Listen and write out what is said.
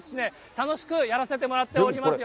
楽しくやらせてもらっておりますよ。